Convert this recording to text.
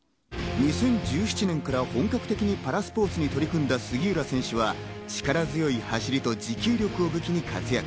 ２０１７年から本格的にパラスポーツに取り組んだ杉浦選手は力強い走りと持久力を武器に活躍。